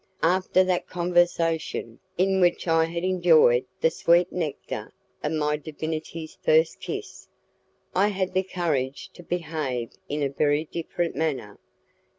After that conversation, in which I had enjoyed the sweet nectar of my divinity's first kiss, I had the courage to behave in a very different manner.